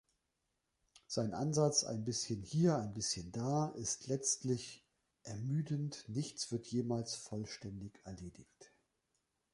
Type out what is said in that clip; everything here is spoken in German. Sein Ansatz „Ein bisschen hier, ein bisschen da“ ist letztendlich ermüdend: nichts wird jemals vollständig erledigt.